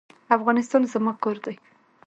افغانستان زما کور دی.